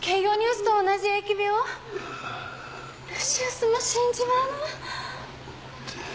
ルシウスも死んじまうの？